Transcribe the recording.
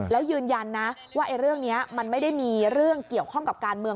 แล้วยืนยันนะว่าเรื่องนี้มันไม่ได้มีเรื่องเกี่ยวข้องกับการเมือง